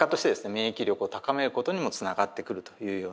免疫力を高めることにもつながってくるというような結果が出ています。